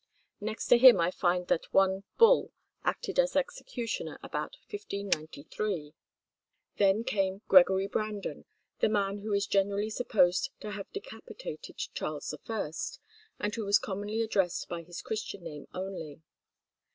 Next to him I find that one Bull acted as executioner about 1593. Then came Gregory Brandon, the man who is generally supposed to have decapitated Charles I, and who was commonly addressed by his Christian name only.